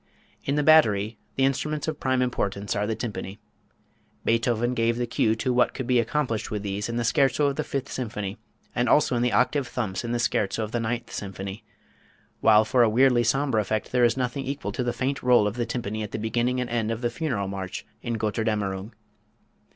In the "battery" the instruments of prime importance are the tympani. Beethoven gave the cue to what could be accomplished with these in the scherzo of the Fifth Symphony and also in the octave thumps in the scherzo of the Ninth Symphony, while for a weirdly sombre effect there is nothing equal to the faint roll of the tympani at the beginning and end of the Funeral March in "Götterdämmerung."